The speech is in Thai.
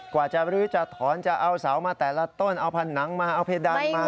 กว่าจะรื้อจะถอนจะเอาเสามาแต่ละต้นเอาผนังมาเอาเพดานมา